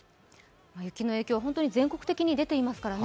雪の影響、全国的に出ていますからね。